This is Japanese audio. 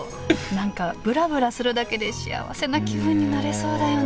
何かぶらぶらするだけでしあわせな気分になれそうだよね。